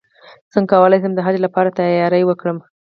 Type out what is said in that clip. څنګه کولی شم د حج لپاره تیاری وکړم